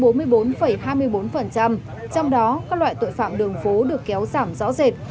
trong đó các loại tội phạm đường phố được kéo giảm rõ rệt